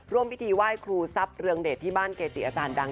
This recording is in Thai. ร่วมพิธีไหว้ครูทรัพย์เรื่องเดชน์ที่บ้านเกรจิอดัง